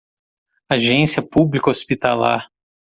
Agência pública hospitalar